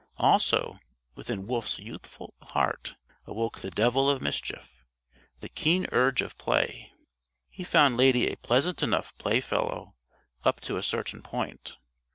Also within Wolf's youthful heart awoke the devil of mischief, the keen urge of play. He found Lady a pleasant enough playfellow up to a certain point.